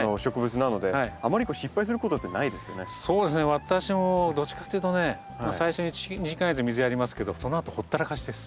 私もどっちかっていうとね最初の１２か月水やりますけどそのあとほったらかしです。